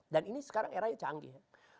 dan ini sekarang era yang canggih ya